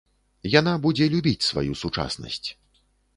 Яна будзе любіць сваю сучаснасць.